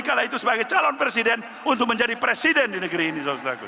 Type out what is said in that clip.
kala itu sebagai calon presiden untuk menjadi presiden di negeri ini